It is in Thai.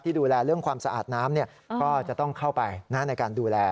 ที่ดูแลเรื่องความสะอาดน้ำเนี่ยก็จะต้องเข้าไปนั่นในการดูแล